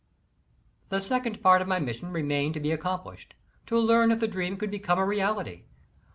The second part of my mission remained to be accom plished; to learn if the dream could become a reality.